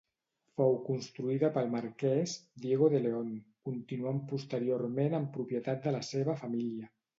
Fou construïda pel Marquès Diego de León, continuant posteriorment en propietat de la seva família.